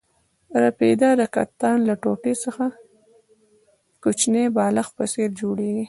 رپیده د کتان له ټوټې څخه د کوچني بالښت په څېر جوړېږي.